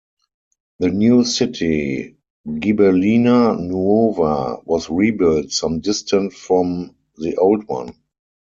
The new city, Gibellina Nuova, was rebuilt some distant from the old one.